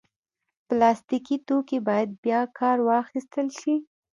پلاستيکي توکي باید بیا کار واخیستل شي.